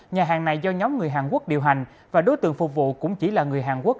nhà hàng này do nhóm người hàn quốc điều hành và đối tượng phục vụ cũng chỉ là người hàn quốc